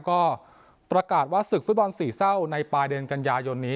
ก็ประกาศว่าศึกฟุตบอลสี่เศร้าในปลายเดือนกันยายนนี้